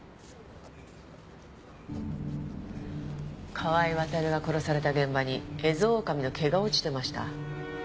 川井渉が殺された現場にエゾオオカミの毛が落ちてました。